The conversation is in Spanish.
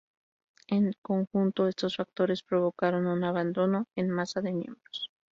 En conjunto, estos factores provocaron un abandono en masa de miembros.